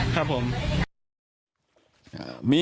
ครับผม